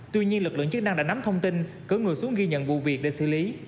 tuy nhiên lực lượng chức năng đã nắm thông tin cử người xuống ghi nhận vụ việc để xử lý